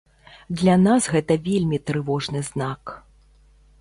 Для нас гэта вельмі трывожны знак.